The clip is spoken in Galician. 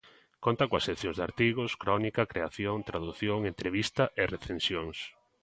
Conta coas seccións de Artigos, Crónica, Creación, Tradución, Entrevista e Recensións.